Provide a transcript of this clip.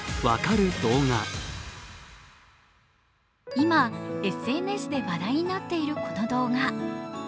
今、ＳＮＳで話題になっている、この動画。